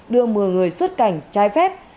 đưa một mươi người xuất cảnh trái phép